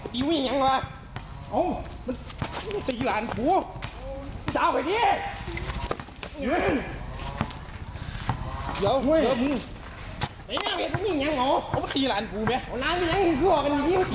ดิร้านหูขอบคุณค่ะ